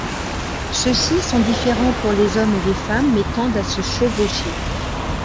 Ceux-ci sont différents pour les hommes et les femmes, mais tendent à se chevaucher.